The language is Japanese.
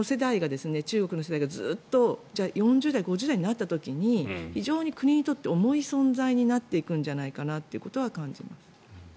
なので、この世代、中国の世代が４０代、５０代になった時に非常に国にとって重い存在になってくんじゃないかなということは感じます。